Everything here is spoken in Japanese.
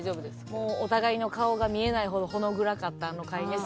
もうお互いの顔が見えないほどほの暗かったあの会議室。